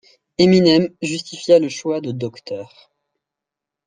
Eminem justifia le choix de Dr.